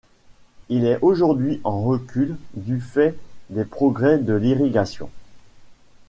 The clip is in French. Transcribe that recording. Il est aujourd’hui en recul, du fait des progrès de l’irrigation.